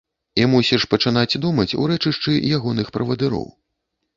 І мусіш пачынаць думаць у рэчышчы ягоных правадыроў.